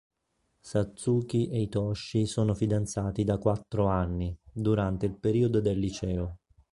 Satsuki e Hitoshi sono fidanzati da quattro anni, durante il periodo del liceo.